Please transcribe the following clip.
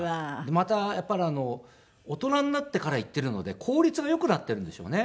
またやっぱり大人になってから行っているので効率がよくなってるんでしょうね。